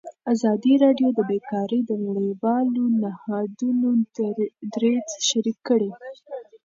ازادي راډیو د بیکاري د نړیوالو نهادونو دریځ شریک کړی.